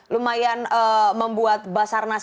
lumayan membuat basarnas